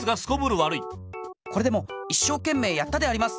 これでもいっしょうけんめいやったであります。